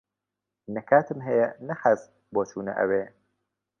نە کاتم ھەیە نە حەز، بۆ چوونە ئەوێ.